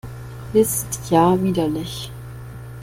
Ist ja widerlich!